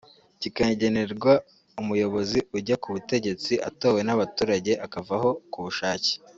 kikagenerwa umuyobozi ujya ku butegetsi atowe n’abaturage akavaho ku bushake